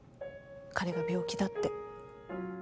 彼が病気だって。